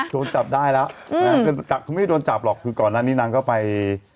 โดนจับได้ละก็ไม่ได้โดนจับหรอกก่อนนั้นนี่นางก็ไป